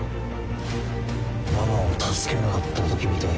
ママを助けなかった時みたいに。